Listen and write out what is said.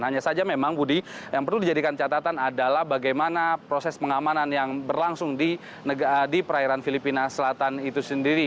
hanya saja memang budi yang perlu dijadikan catatan adalah bagaimana proses pengamanan yang berlangsung di perairan filipina selatan itu sendiri